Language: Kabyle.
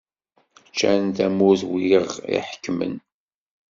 Ččan tamurt wid iɣ-iḥekmen.